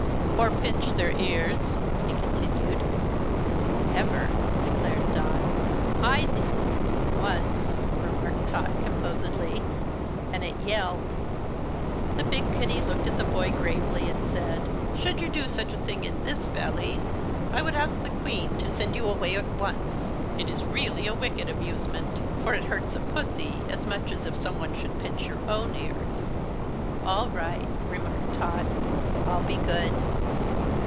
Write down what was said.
"Or pinch their ears?" he continued. "Never!" declared Dot. "I did once," remarked Tot, composedly. "An' it yelled." The big kitty looked at the boy gravely and said: "Should you do such a thing in this Valley I would ask the Queen to send you away at once. It is really a wicked amusement, for it hurts a pussy as much as if someone should pinch your own ears." "All right," remarked Tot. "I'll be good."